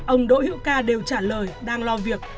ông đỗ hữu ca đều trả lời đang lo việc